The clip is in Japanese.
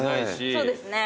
そうですね。